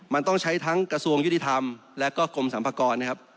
มันต้องใช้ทั้งกระทรวงยุติธรรมและก็กรมสรรพากรนะครับ